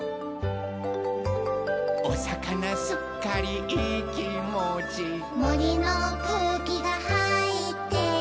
「おさかなすっかりいいきもち」「もりのくうきがはいってる」